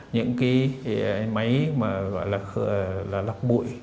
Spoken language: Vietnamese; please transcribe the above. những cái máy mà gọi là lọc bụi